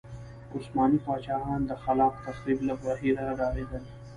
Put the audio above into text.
عثماني پاچاهان د خلاق تخریب له بهیره ډارېدل.